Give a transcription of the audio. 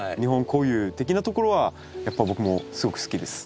固有的なところはやっぱ僕もすごく好きです。